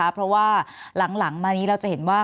เพราะว่าหลังมานี้เราจะเห็นว่า